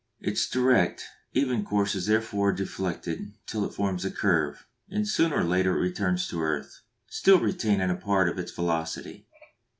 Its direct, even course is therefore deflected till it forms a curve, and sooner or later it returns to earth, still retaining a part of its velocity.